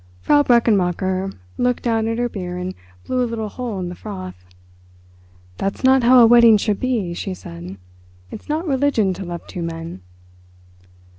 Frau Brechenmacher looked down at her beer and blew a little hole in the froth. "That's not how a wedding should be," she said; "it's not religion to love two men."